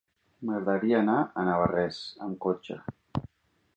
M'agradaria anar a Navarrés amb cotxe.